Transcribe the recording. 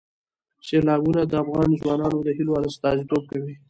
سیلابونه د افغان ځوانانو د هیلو استازیتوب کوي.